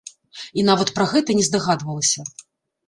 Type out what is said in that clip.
І нават пра гэта не здагадвалася.